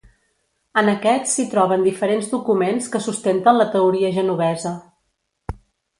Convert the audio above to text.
En aquests s'hi troben diferents documents que sustenten la teoria genovesa.